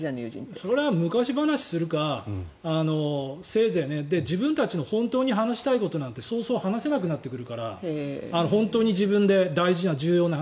それは昔話するかせいぜいね自分たちの本当に話したいことなんて話せなくなるから本当に自分で大事な、重要な話。